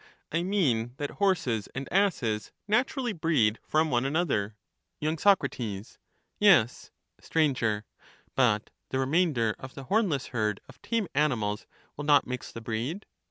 I mean that horses and asses naturally breed from one another. y. Soc. Yes. Sir. But the remainder of the hornless herd of tame animals will not mix the breed.